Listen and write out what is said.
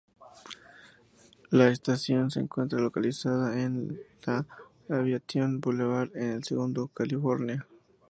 La estación se encuentra localizada en la Aviation Boulevard en El Segundo, California.